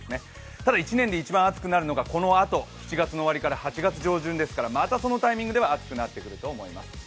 ただ１年で一番暑くなるのはこのあと、７月の終わりから８月上旬ですからまたそのタイミングでは暑くなってくると思います。